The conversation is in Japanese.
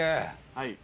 はい。